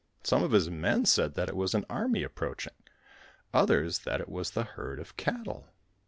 Some of his men said that it was an army approaching, others that it was the herd of cattle.